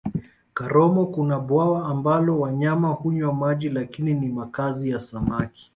karomo kuna bwawa ambalo wanyama hunywa maji lakini ni makazi ya samaki